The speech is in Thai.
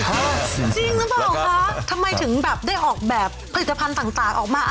จริงหรือเปล่าคะทำไมถึงแบบได้ออกแบบผลิตภัณฑ์ต่างออกมา